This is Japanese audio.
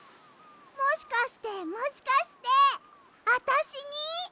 もしかしてもしかしてあたしに？